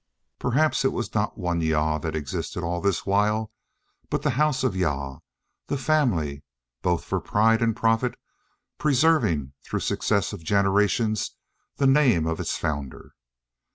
Perhaps it was not one Jah that existed all this while, but the house of Jah: the family, both for pride and profit, preserving through successive generations the name of its founder.